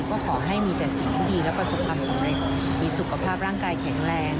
ก็ขอให้มีแต่สิ่งที่ดีและประสบความสำเร็จมีสุขภาพร่างกายแข็งแรง